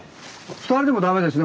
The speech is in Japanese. ２人でも駄目ですね